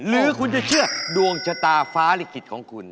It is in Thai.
หรือคุณจะเชื่อดวงชะตาฟ้าลิขิตของคุณ